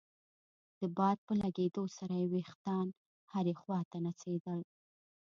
د باد په لګېدو سره يې ويښتان هرې خوا ته نڅېدل.